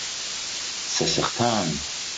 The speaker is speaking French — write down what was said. C’est certain